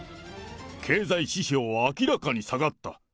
経済指標は明らかに下がった。